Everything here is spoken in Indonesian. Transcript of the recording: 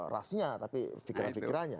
rasnya tapi fikiran fikirannya